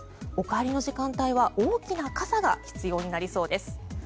お帰りの時間帯は大きな傘が必要になりそうです。